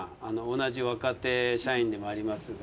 同じ若手社員でもありますが。